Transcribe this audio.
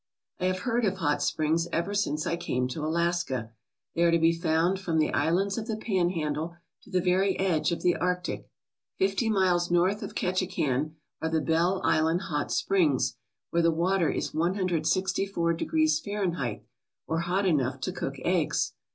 I have heard of hot springs ever since I came to Alaska. They are to be found from the islands of the Panhandle to the very edge of the Arctic. Fifty miles north of Ketchikan are the Belle Island Hot Springs, where the water is 164 degrees Fahrenheit, or hot enough to cook eggs.